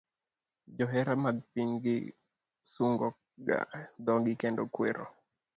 Johera mag pinygi sungo ga dhogi kendo kwero